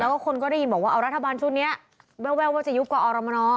แล้วคนก็ได้ยินว่ารัฐบาลชุดนี้แววว่าจะยุบกว่ากอรมน